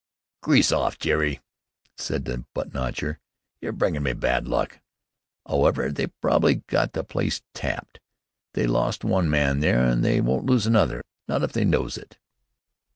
"Grease off, Jerry!" said the butt notcher. "Yer bringin' me bad luck. 'Owever, they prob'ly got that place taped. They lost one man there an' they won't lose another, not if they knows it."